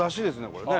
これね。